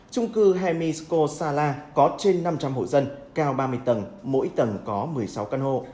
trung cư henisco sala có trên năm trăm linh hộ dân cao ba mươi tầng mỗi tầng có một mươi sáu căn hộ